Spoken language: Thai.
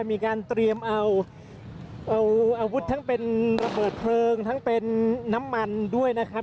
มีการเตรียมเอาอาวุธทั้งเป็นระเบิดเพลิงทั้งเป็นน้ำมันด้วยนะครับ